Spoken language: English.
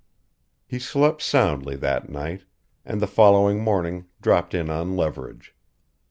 He slept soundly that night, and the following morning dropped in on Leverage.